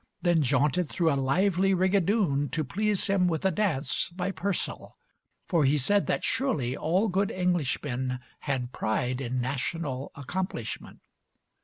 Then jaunted through a lively rigadoon To please him with a dance By Purcell, for he said that surely all Good Englishmen had pride in national Accomplishment.